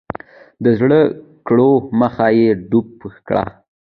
د زده کړو مخه یې ډپ کړه.